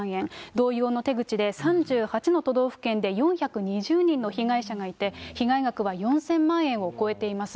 同様の手口で３８の都道府県で４２０人の被害者がいて、被害額は４０００万円を超えています。